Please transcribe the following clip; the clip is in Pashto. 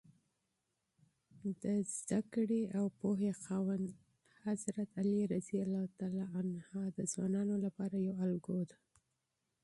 د علم او حکمت خاوند علي رض د ځوانانو لپاره یوه الګو ده.